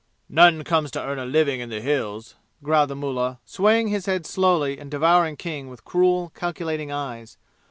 "None comes to earn a living in the Hills," growled the mullah, swaying his head slowly and devouring King with cruel calculating eyes.